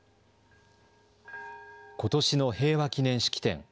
ことしの平和祈念式典。